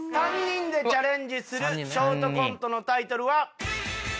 ３人でチャレンジするショートコントのタイトルは。